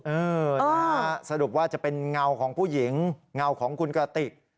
เออนะฮะสรุปว่าจะเป็นเงาของผู้หญิงเงาของคุณกระติก